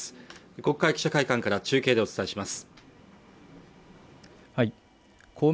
国会記者会館から中継でお伝えします